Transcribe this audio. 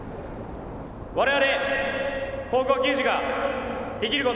我々高校球児ができること。